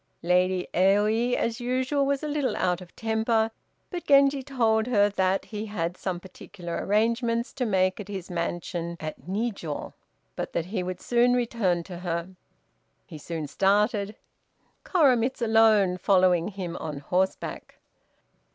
Lady Aoi, as usual, was a little out of temper, but Genji told her that he had some particular arrangements to make at his mansion at Nijiô, but that he would soon return to her. He soon started, Koremitz alone following him on horseback.